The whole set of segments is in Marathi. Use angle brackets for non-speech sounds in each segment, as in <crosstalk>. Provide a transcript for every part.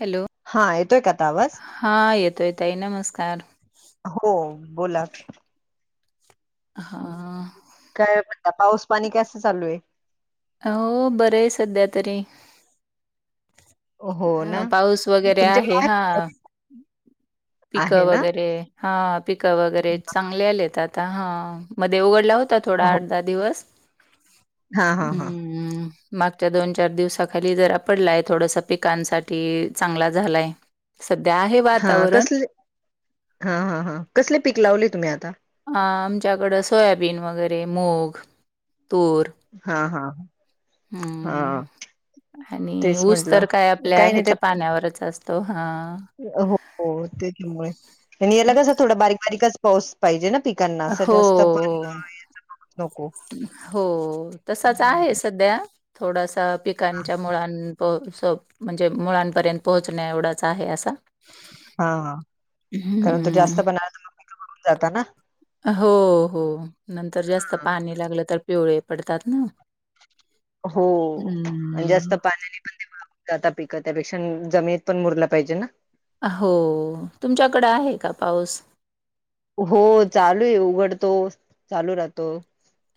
हॅलो.... हा येतोय का आता आवाज? हा येतोय ताई, नमस्कार. हो... बोला. हा काय म्हणता... पाऊस पाणी कसं चालू ए हो... बरं ए... सध्या तरी हो ना अ... पाऊस वगैरे आहे... हा आहे पिकं ना वगैरे... हा... पिकं वगैरे... चांगले आलेत आता... हा... मध्ये उघडला होता ता थोडा... हो आठ दहा दिवस... हा हा हा हम्म हम्म... मागच्या दोन चार दिवसाखाली... जरा पडलाय... थोडंसा पिकांसाठी चांगला झालाय सध्या आहे हा.. वातावरण कसले... हा हां हां... कसले पीक... लावले तुम्ही आता? आमच्याकडं... सोयाबीन वगैरे, मूग... तूर हा हा हा हम्म... आणि तेच ऊस म्हंटलं तर काय... आपल्या काही नाही ह्याच्या त्यात पाण्यावरच अस तो हां हो... त्याच्यामुळे, आणि याला कसं... थोडा बारीक बारीकच पाऊस पाहिजे ना पिकांना... असं हो, जास्त पण... याचा पाऊस नको हो... तसाच आहे सध्या थोडासा... पिकांच्या मुळान पाऊस <unintelligible> म्हणजे मुळांपर्यंत... पोहोचण्या एवढाच आहे असा हा... कारण तो जास्त हम्म. आला तर... <unintelligible> जातं ना? हो... हो... नंतर जास्त पाणी लागलं तर... पिवळे पडतात ना हो.. अन जास्त हम्म. पाण्याने पण पिवळं जाता पिकं... त्यापेक्षा... जमिनीत पण मुरलं पाहिजे ना हो... तुमच्याकडे... आहे का पाऊस? हो... चालू आहे... उघडतो... चालू राहतो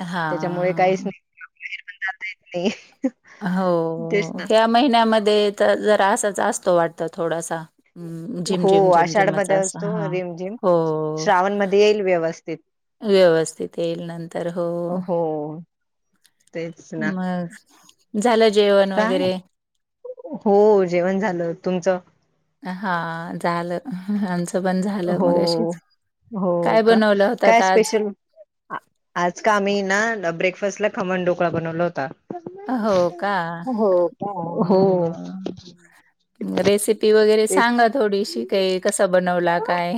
हां, त्याच्यामुळे... हां, काहीच हां. नाई... बाहेरं पण... जाता येत नाई हो... ह्या महिन्यामध्ये... तर जरा, असाच असतो वाटतं थोडासा हम्म... झिम हो झिम... झिम आषाढ झिमच मध्ये असा... असतो हा... रिमझिम हो श्रावण मध्ये येईल व्यवस्थित व्यवस्थित येईल... नंतर हो हो तेच ना मग... झालं जेवण काय वगैरे हो... जेवण झालं.. तुमचं? हा... झालं.. हं हं... आमचं पण झालं हो मगाशीच... हो काय का बनवलं होतं काय आता आज? स्पेशल आज का... आम्ही ना... ब्रेकफास्टला खमण डोकळा बनवला होता हो.. का... हो का हम्म... हो ब रेसिपी वगैरे तेच. सांगा थोडीशी काही कस बनवला काय?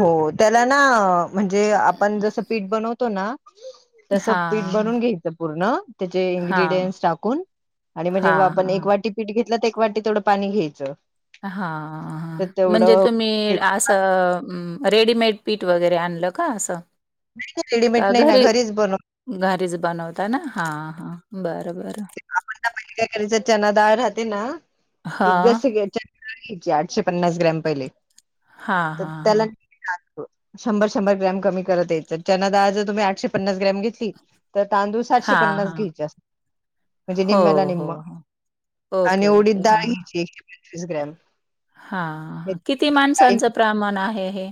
हो त्याला ना म्हणजे आपण जस पीठ बनवतो ना. तसं पीठ हां, बनून हां. घ्यायचं पूर्ण त्याचे हां, इन्ग्रीडियंट्स टाकून आणि म्हणजे्हा आपण एक हां. वाटी पीठ घेतलं तर एक वाटी तेथोडं पाणी घ्यायचं. हा तर म्हणजे तेवढं तुम्ही असं रेडीमेड पीठ वगैरे आणलं का? असं. नाही नाही रेडीमेट का नाही ना घरी घरीच बन घरीच बनवता ना हां हां बरं बरं. आपण काय पहिला काय करायच चना डाळ राहते ना ती हां. जशी घ्याय. डाळ घ्यायची आठशे पन्नास ग्रॅम पहिले, हां, तर हां, त्याला. हां. शंभर-शंभर ग्रॅम कमी करत यायचं चना दाळ जे तुम्ही आठशे पन्नास ग्रॅम घेतली. तर तांदूळ सातशे हां, पन्नास हां. घ्यायचे असते. म्हणजे हो, निम्म्याला हो, निम्म हो. आणि ओके, ओके. उडीत डाळ घ्यायची एकशे पंचवीस ग्रॅम. हे हा किती डाळी माणसांचं प्रमाण आहे हे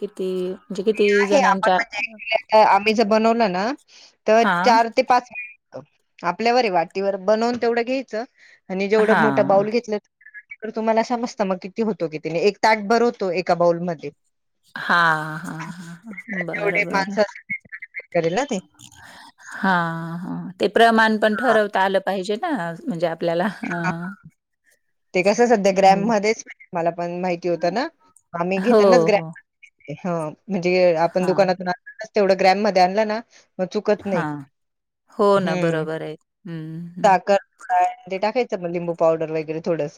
किती? म्हणजे किती आहे आपण जणांच्या म्हणजेक्च आ आम्ही जर बनवलं ना तर हां, चार ते पाच आपल्यावर आहे वाटीवर बनवून तेवढं घ्यायचं आणि जेवढं मोठं हां. बाऊल घेतलं तर तुम्हाला समजत मग किती होतो किती नाही एक ताटभर होतो एका बाउलमध्येध्ये. हा हा हा बर जेवढे बर. माणसं असतील त्यांच्यावर डिपेंड करेल ना ते <inaudible> हा हा ते प्रमाण पण हा ठरवता आलं पाहिजे ना, म्हणजे आप आपल्याला हं. ते कसं सध्या ग्रॅम मध्येच मला पण माहिती होतं ना आम्ही हो, घेतानाच हो. ग्रॅम हा म्हणजे आपण हां, दुकानातून आणतो ना तेवढं ग्रॅम मध्ये आणला ना. मग चुकत नाही, हां. हो ना, हम्म बरोबर आहे. हं, हं. ताकात हळद ते टाकायचं मग लिंबू पावडर वगैरे थोडस.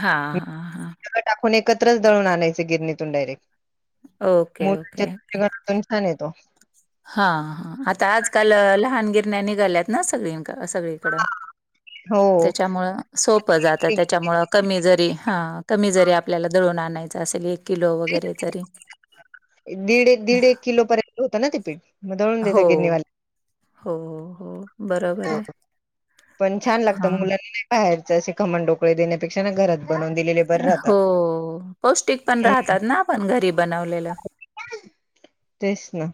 हां हां. हां. सगळं टाकून एकत्रच दळून आणायच गिरणीतून डायरेक्ट ओके, ओके, ओके. मग <unintelligible> खानेतो हा हा आत्ता आजकाल लहान गिरण्या निघाल्यात ना सगळी. सगळीकड हो त्याच्यामुळं सोपं जातं त्याच्यामुळं कमी जरी हा कमी जरी आपल्याला दळून आणायचं असेल एक किलो वगैरे तरी दीड एक, दीड एक किलो पर्यंत. होत ना ते पीठ मग दळून हो देेतात गिरणीवाले. हो हो. बरोबर हो आहे. पण छान लागत हां मुलाना. बाहेरचे असे खमंग ढोकळे देण्यापेक्षा ना घरात बनवून दिलेले बरं राहतात. हो पौष्टिक पण हम्म राहतात ना आपण घरी बनवलेलं. तेच ना.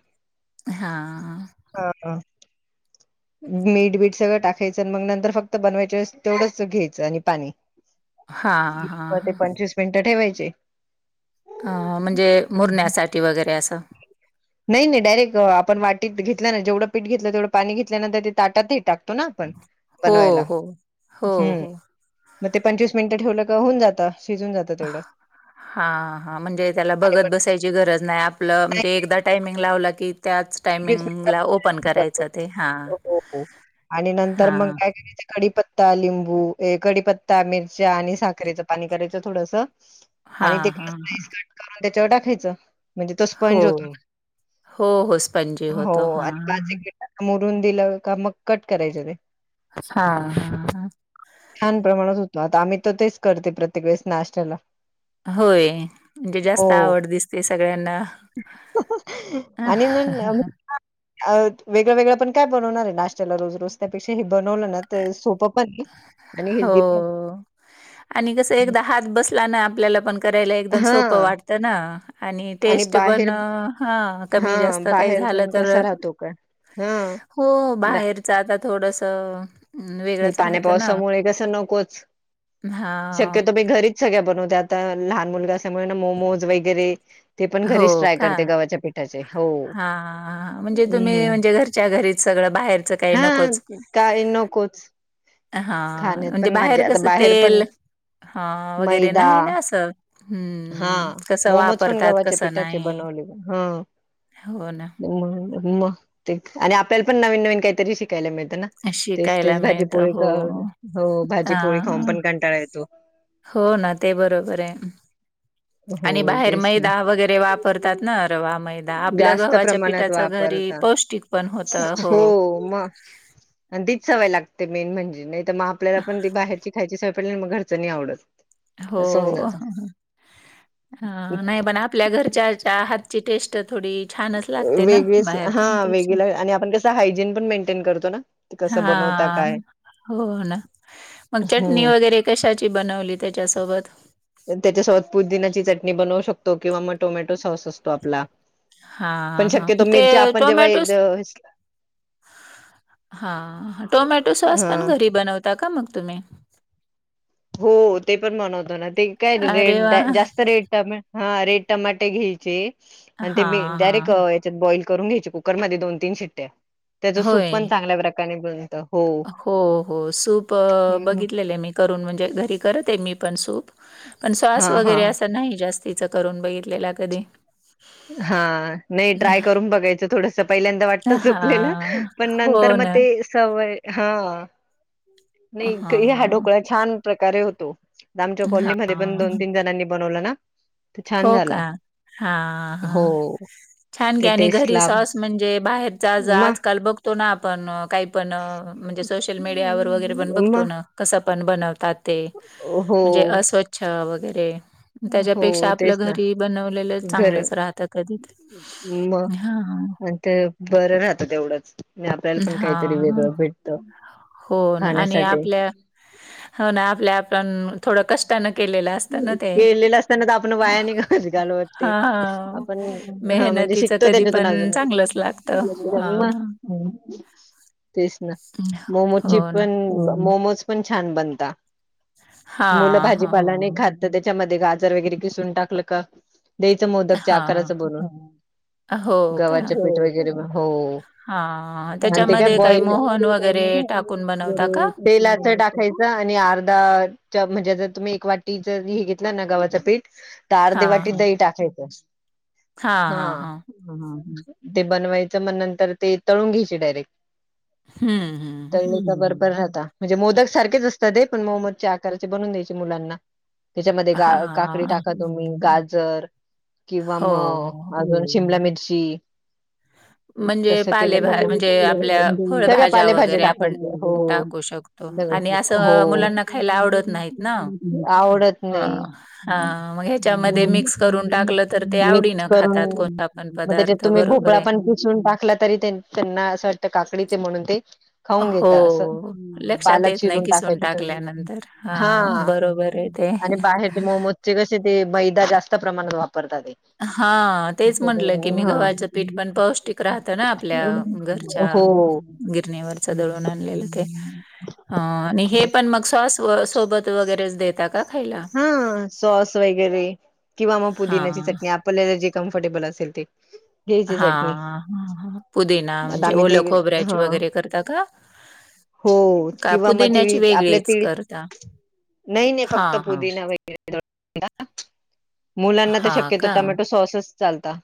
हां. हो ना. मीठ बीट सगळं टाकायचं आणि मग नंतर फक्त बनवायच्या वेळेस तेवढंच घ्यायचं आणि पाणी. हां हां मग ते हां पंचवीस मिनिटे ठेवायचे. हा हा म्हणजे मुरण्यासाठी वगैरे असं. नाही नाही डायरेक्ट आपण वाटीत घेतल ना जेवढं पीठ घेतलं तेवढं पाणी घेतल्यानंतर ते ताटात थेट टाका. तो ना आपण हो बनवायला हो हो हम्म. हो. मग ते पंचवीस मिनिटं ठेवलं का होऊन जातं शिजून जात हा हा, म्हणजे त्याला आणि बघत मग बसायची ची गरज नाही आपलं नाही म्हणजे एकदा टायमिंग लावला की त्याच पंचवीस मिनिटात टायमिंगला ओपन जातो. करायचं ते, हां हो हो आणि नंतर मग हा. काय करायचं कडीपत्ता, लिंबू ए कडीपत्ता, मिरच्या आणि साखरेचं पाणी करायचं थोडंस. आणि ते हां, हां, हां. स्लाईस कट करून त्याच्यावर टाकायचं. म्हणजे तो हो, स्पंज होतो हो हो स्पंजी होतो हा हा. मोडून दिलं का मग कट करायचं ते हा हा हा. छान प्रमाणात होतो आता आम्ही तर तेच करते प्रत्येक वेळेस नाष्ट्याला. होय म्हणजे जास्त आवड दिसतेय सगळ्यांना. आणि मग अ वेगळ वेगळ पण काय बनवणार आहे नाष्ट्याला रोज-रोज‌. त्यापेक्षा हे बनवलं ना तर सोपं पण. आणि हो हेल्दी पण आणि कस एकदा हात बसला ना आपल्याला पण करायला एकदम हा सोपं वाटतं ना आणि टेस्ट पण हा. हा बाहेर पण कसा राहतो काय हा. हो बाहेरच आता थोडंस. हे पाण्या पावसामुळे कसं नकोच. हां. शक्यतो मी घरीच सगळ्या बनवत्या आता लहान मुलगा असल्यामुळे ना मोमोज वगैरे. ते पण घरीच ट्राय करते गव्हाच्या पिठाचे हो. हा हा, म्हणजे तुम्ही हम्म म्हणजे घरच्या घरीच सगळं, बाहेरचं काही नकोच. काही नकोच. हा, खाण्यात म्हणजे पण बाहेर आता कसं बाहेर तेल, पण हा वगैरे मैदा नाही ना असं. हा हम्म, कसं मोमोज पण वापरतात, गव्हाच्या कसं पिठाचे नाही. बनवले, हा. हो ना, मग ते आणि आपल्याला पण नवीन-नवीन काहीतरी शिकायला मिळतना? शिकायला तेच-तेच मिळतं भाजीपोळी, हो. हो भाजीपोळी खाऊन हां, पण काटाळा येतो. हो ना, ते बरोबर आहे. हो आणि बाहेर तेच ना मैदा वगैरे वापरतात ना रवा, मैदा आपल्या जास्त गव्हाच्या प्रमाणात पिठाच घरी वापरता पौष्टिक पण होतं. हो मग. आणि तीच सवय लागते मेन म्हणजे, नाही तरग आपला पण ती बाहेरची खायची सवय पडली मग घरचं नाही आवडत. हो. असं होऊन जात हा, नाही पण आपल्या घरच्याच्या हातची टेस्ट थोडी छानच लागते ना वेगळेच, हा बाहेरच्यांपेक्षा. वेगळे आणि आपण कसं हायजीन पण मेंटेन करतो ना. ते कसं बनवता हा, काय हो ना मग चटणी हम्म. वगैरे कशाची बनवली त्याच्यासोबत? पण त्याच्यासोबत पूदिनाची चटणी बनवू शकतो किंवा मग टोमॅटो सॉस असतो. तो आपला, पण हां, हां. शक्यतो मिरची ते आपण जेव्हा टोमॅटो हा, टोमॅटो सॉस हा पण घरी बनवता ता का मग तुम्ही? हो ते पण बनवतो ना, ते काय अरे रेड, वाह! जास्त रेड टोमॅटो हा, रेड टमाटे घ्यायचे आणि ते मी हां, डायरेक्ट हां. त्त्यांच्यात बॉइल करून घ्यायची कुकरमध्येध्ये दोन-तीन शिट्ट्या, त्याच सूप होय. पण चांगल्या प्रकारे बनतं. हो हो, सूप बघितलेले मी करून म्हणजे घरी करत ए मी पण सूप. पण हा शसॉस हा वगैरे असं नाही जास्तीच करून बघितलेला कधी. हा नाही ट्राय करून बघायचं थोडस पहिल्यांदा वाटतं चुकलेलं हां. पण हो नंतर मग ना. ते सवय हा, नाही हा हां, ढोकळा छान प्रकारे होतो. आमच्या कॉलनीमध्ये पण हां. दोन-तीन जणांनी बनवलं ना. तर छान हो का? झाला हा. हो छान ते ज्ञान आहे, आणि घरी टेस्टला सॉस म्हणजे बाहेर जा म आजकाल बघ बघतो ना आपण, काही पण म्हणजे सोशल मीडिया व वगैरे पण म बघतो ना. कसं पण बनवतात ते, हो म्हणजे अस्वच्छ वगैरे. हो त्याच्यापेक्षा आपलं तेच ना घरी बनवलेलं घर चांगलंच राहत कधी मग हम्म हम्म. आणि ते बरं राहतं तेवढंच, आणि आपल्याला पण काहीतरी हां. वेगळं भेटत. हो ना आणि खाण्यासाठी आपल्या, हो ना आपल्या आपण थोडं कष्ट- त्यानं केलेलं असता ना ते. त्यांना दाखव आपण वाया नाय घालवायची घालू हा वाटते, आपण हा म्हणजे शिकतो त्याच्यातून अजून. त हा. म तेच ना, हो मोमोची ना पण मोमोज पण छान बनता, हा मुलं हा भाजीपालाने खात त्याच्यामध्ये गाजर वगैरे घिसून टाकलं का द्यायच मोदकच्या हा. आकाराचं बनून. हो का गव्हाचे पीठ वगैरे हो-हो. हा अन ते काय त्याच्यामध्ये बॉईल <unintelligible> मोहन वगैरे टाकून बनवता का? परत. तेलाच टाकायचं आणि अर्धा च म्हणजे जर तुम्ही एक वाट जर हे घेतला ना गवाचं पीठ तर हा अर्धी वाटी हा दही टाकायचं. हा, ते बनवायचं मग नंतर ते तळून घ्यायचे डायरेक्ट. हम्म हम्म तळली का बरं राहता. म्हणजे मोदक सारखेच असतात हे पण मोनोच्या आकारचे बनवून द्यायचे मुलांना. त्याच्यामध्ये गा काकडी हा टाका तुम्ही, गाजर किंवा हो. मग अजून शिमला मिरची म्हणजे तस केलं पालेभा मग म्हणजे आपल्या सगळ्या फळभाज्या पालेभाजी वगैरे टाकायच आपण हो. टाकू शकतो आणि सगळं हो असं मुलांना खायला आवडत नाहीत ना. अ-अ. आवडत नाही हां, हां. मग ह्याच्यामध्ये मिक्स करून टाकलं तर ते मिक्स आवडीनं खातात करून. कोणता पण मग पदार्थ त्यांच्यात तुम्ही त्याच्यात बरोबर भोपळा आहे. पण किसून टाकला तरी त्यांना असं वाटतं काकडीचे म्हणून ते खाऊन घेता. असं हो. लक्षात पालक येत नाही चिरून किसून टाकायचे इथून टाकल्यानंतर. हा हां, बरोबर आहे काय? आणि बाहेरचे मोमोजचे कसे ते मैदा जास्त प्रमाणात वापरतात ते. हा तेच म्हटलं की त्याच्यामुळे मी हा गव्हाचं पीठ पण पौष्टिक राहत ना आपल्या घरच्या. हो गिरणीवरच दळून आणलेलं ते अ आणि हे पण मग सॉस सोबत वगैरेच देता का खायला? ह सॉस वगैरे किंवा मग पुदिनची हां. चटणी आप आपल्याला जे कम्फर्टेबल असेल ते. घ्यायची हा चटणी ह-ह पुदिना आता म्हणजे आम्ही ते ओलं खोबऱ्याची हा वगैरे करता का. हो का किंवा मग तिळी पुदिन्याची आपल्या वेगळीच तिळी करता? नाही-नाही फक्त हां, हां. पुदिना. <unintelligible> मुलांना तर हां शक्यतो का? टोमॅटो सॉसच चालता.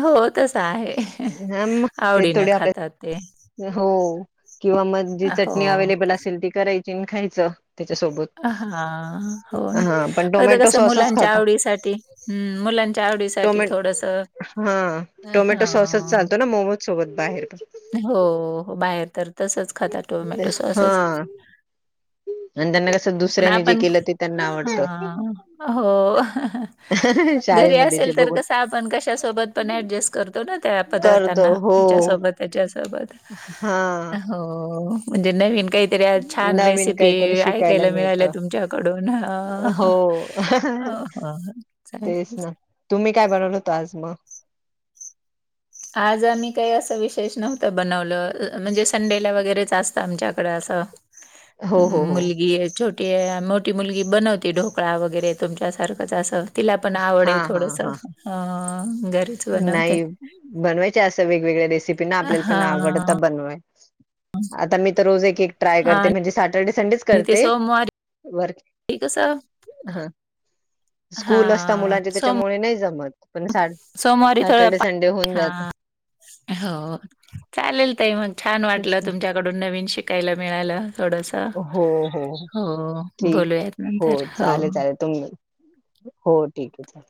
हो तस आहे, हा मग ते आवडीन थोडे आपल्या खातात ते. हो किंवा मग जी हो. चटणी अवे्लेबल असेल ती करायची खायचं त्याच्यासोबत. हा हो ना हा पण फक्त टोमॅटो कस सॉसच मुलांच्या खाता आवडीसाठी हम् मुलांच्या आवडीसाठी. टोमॅ साठी थोडंसं हा अ, टोमॅटो सॉसच हां. चालतो ना मोमोज सोबत बाहेर. हो, हो बाहेर तर तसच खातात. हा. आणि त्यांना कसं पण दुसऱ्यांनी जे आपण, केलं ते त्यांना आवडतं हा, हो हा. <unintelligible> घरी जे असेल तर बघून कसं आपण कशासोबत पण ऍडजस्ट करतो ना ते करतो पदार्थांना हो हिच्या सोबत त्याच्या सोबत. हा. हो म्हणजे नवीन काही तरी आज छान नवीन रेसिपी काहीतरी शिकायला ऐकायला मिळत मिळाल्या तुमच्याकडून अ हो हं. ह तेच ना चालेल-चालेल‌. तुम्ही काय बनवल होत आज मग? आज आम्ही काही असं विशेष नव्हतं बनवलं म्हणजे संडेला वगैरेच असतं आमच्याकडें असं. हो हो हो मुलगी आहे छोटी ये मोठी मुलगी बनवती ढोकळा वगैरे तुमच्यासारखच असते. तिला पण आवड हा आहे हा थोडस हा अ-अ दर नाही बनवायचे असं वेगवेगळ्या रेसिपी ना आपल्याला पण आवडता हां बनवाय. आता मी तर रोज एक-एक ट्राय करते हां म्हणजे सॅटर्डे संडेच आणि ते करते सोमवारी वरक कसं ह स्कूल असता हां मुलांचे सोम त्याच्यामुळे नाही जमत. पण सोमवारी सॅटर्डे थोड, संडे होऊन हा. जात हो चालेल ताई मग छान तेच वाटलं ना तुमच्या कडून नवीन शिकायला मिळाला थोडस. हो-हो ठीक बोलूयात हो नंतर हो. चालेल-चालेल. तुम्ही हो ठीक आहे चा